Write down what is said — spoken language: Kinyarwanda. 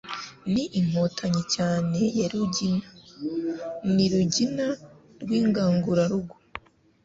Ni Inkotanyi cyane ya Rugina, ni Rugina rw'ingangurarugo,